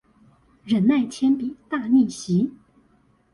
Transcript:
忍耐鉛筆大逆襲